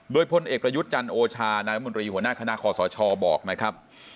โดยพลเอกประยุทธ์จันทร์โอชานายมนตรีหัวหน้าคณะคอสชบอกนะครับ